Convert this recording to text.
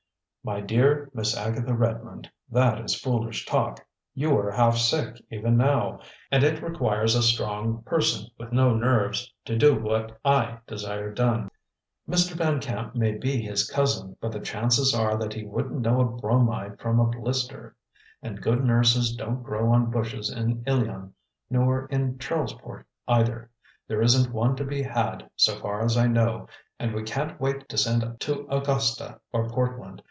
"My dear Miss Agatha Redmond, that is foolish talk. You are half sick, even now; and it requires a strong person, with no nerves, to do what I desire done. Mr. Van Camp may be his cousin, but the chances are that he wouldn't know a bromide from a blister; and good nurses don't grow on bushes in Ilion, nor in Charlesport, either. There isn't one to be had, so far as I know, and we can't wait to send to Augusta or Portland.